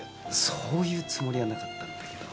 そういうつもりはなかったんだけど。